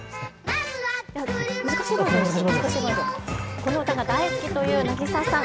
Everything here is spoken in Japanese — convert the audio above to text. この歌が大好きというなぎささん。